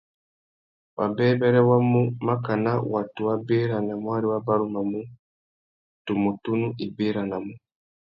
Wabêbêrê wa mu, makana watu wa béranamú ari wa barumanú, tumu tunu i béranamú.